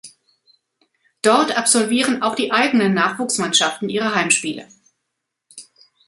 Dort absolvieren auch die eigenen Nachwuchsmannschaften ihre Heimspiele.